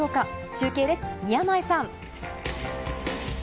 中継です、宮前さん。